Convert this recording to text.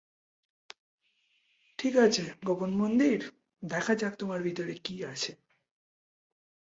ঠিক আছে, গোপন মন্দির, দেখা যাক তোমার ভিতরে কী আছে।